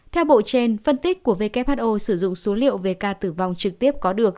theo bộ trên phân tích của who sử dụng số liệu về ca tử vong trực tiếp có được